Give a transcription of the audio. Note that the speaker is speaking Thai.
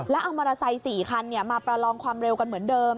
แล้วเอามอเตอร์ไซค์๔คันมาประลองความเร็วกันเหมือนเดิม